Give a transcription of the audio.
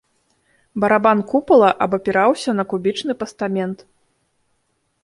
Барабан купала абапіраўся на кубічны пастамент.